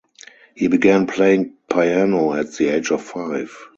He began playing piano at the age of five.